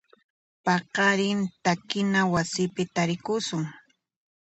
Paqarin takina wasipi tarikusun.